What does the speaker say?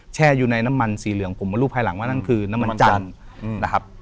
แช่อยู่ในน้ำมันสีเหลืองผมมารู้ภายหลังว่านั่นคือน้ำมันจันทร์นะครับ